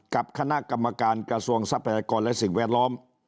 กับคณะกรรมการกระทรวงทรัพยากรและสิ่งแวดล้อม